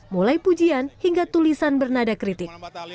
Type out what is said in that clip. mulai pujian hingga tulisan bernada kritik